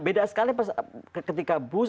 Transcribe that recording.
beda sekali ketika bush